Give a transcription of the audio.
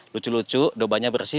lucu lucu dombanya bersih